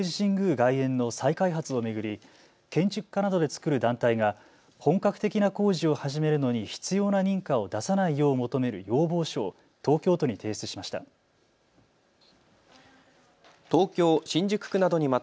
外苑の再開発を巡り建築家などで作る団体が本格的な工事を始めるのに必要な認可を出さないよう求める要望書を東京都に提出しました。